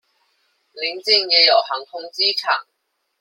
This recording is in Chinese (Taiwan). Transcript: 鄰近也有航空機場